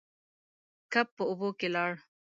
کب په اوبو کې لاړ.